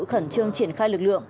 khẩn trương triển khai lực lượng